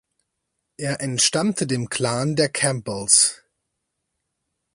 Er entstammte dem Clan der Campbells.